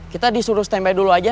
kita disuruh stand by dulu aja